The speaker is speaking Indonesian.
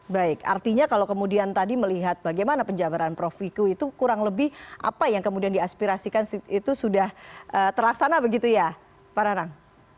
baik artinya kalau kemudian tadi melihat bagaimana penjabaran prof wiku itu kurang lebih apa yang kemudian diaspirasikan itu sudah terlaksana begitu ya pak nanang